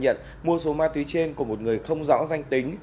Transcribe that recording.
nhận mua số ma túy trên của một người không rõ danh tính